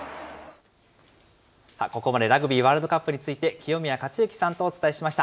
ここまでラグビーワールドカップについて、清宮克幸さんとお伝えしました。